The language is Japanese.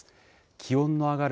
気温の上がる